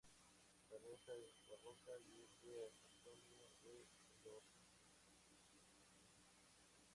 La reja es barroca y es de Antonio de Elorza.